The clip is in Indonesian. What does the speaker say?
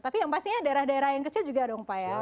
tapi yang pastinya daerah daerah yang kecil juga dong pak ya